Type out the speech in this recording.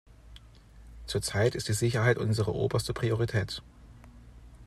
Zurzeit ist die Sicherheit unsere oberste Priorität.